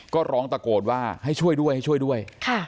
ก็ร้องตะโกนว่าให้ช่วยด้วยให้ช่วยด้วย